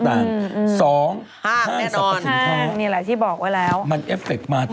๒ห้างสรรพสุทธิ์ท้องมันเอฟเฟกต์มาตรงเลย